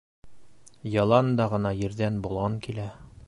Ялан да ғына ерҙән болан килә